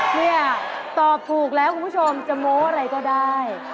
เนี่ยตอบถูกแล้วคุณผู้ชมจะโม้อะไรก็ได้